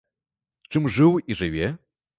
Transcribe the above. Чым жыў і жыве?